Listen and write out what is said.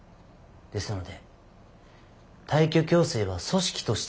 ですので退去強制は組織としての決定です。